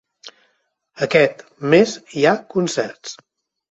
Aquest mes hi ha concerts.